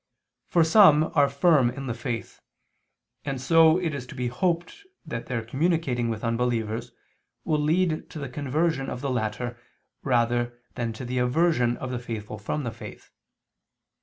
For some are firm in the faith; and so it is to be hoped that their communicating with unbelievers will lead to the conversion of the latter rather than to the aversion of the faithful from the faith.